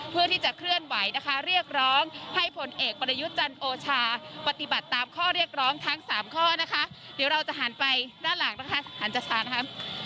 เพื่อที่จะเคลื่อนไหวนะคะเรียกร้องให้ผลเอกประยุทธ์จันทร์โอชาปฏิบัติตามข้อเรียกร้องทั้งสามข้อนะคะเดี๋ยวเราจะหันไปด้านหลังนะคะสถานจัดสรรนะคะ